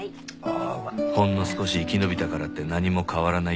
ほんの少し生き延びたからって何も変わらないって。